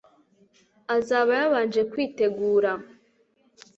azaba yabanje kwitegura